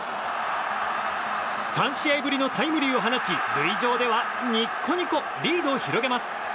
３試合ぶりのタイムリーを放ち塁上ではニッコニコリードを広げます。